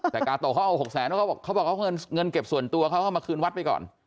แต่กาโตะเขาเอา๖แสนเขาบอกว่าเงินเก็บส่วนตัวเขาก็มาคืนวัดไปก่อน